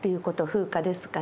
風化ですかね。